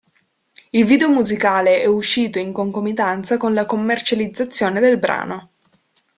Il video musicale è uscito in concomitanza con la commercializzazione del brano.